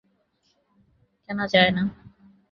কেনা যায় না?